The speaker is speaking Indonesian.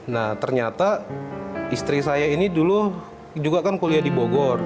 nah ternyata istri saya ini dulu juga kan kuliah di bogor